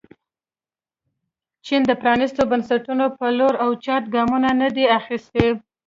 چین د پرانیستو بنسټونو په لور اوچت ګامونه نه دي اخیستي.